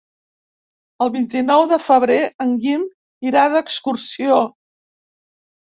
El vint-i-nou de febrer en Guim irà d'excursió.